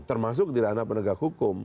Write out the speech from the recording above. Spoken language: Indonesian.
termasuk di ranah penegak hukum